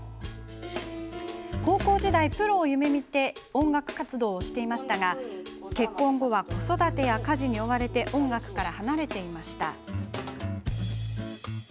高校時代、プロを夢みて音楽活動をしていましたが結婚後は、子育てや家事に追われ音楽から離れていました。